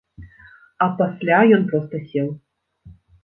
А пасля ён проста сеў.